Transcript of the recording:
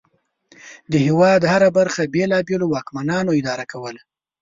د هېواد هره برخه بېلابېلو واکمنانو اداره کوله.